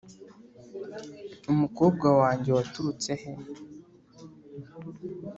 umukobwa wanjye waturutse he?